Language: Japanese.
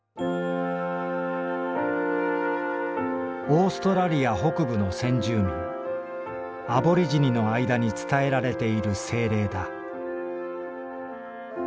「オーストラリア北部の先住民アボリジニのあいだに伝えられている精霊だ」。